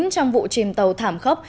trong vụ chìm tàu thảm khốc